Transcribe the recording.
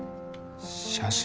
写真？